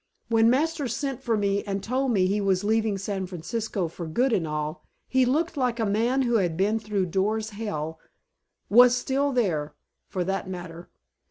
When Masters sent for me and told me he was leaving San Francisco for good and all, he looked like a man who had been through Dore's Hell was there still, for that matter.